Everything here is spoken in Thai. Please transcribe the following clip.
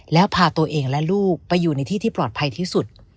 แล้วพาตัวเองและลูกไปอยู่ในที่ที่ปลอดภัยที่สุด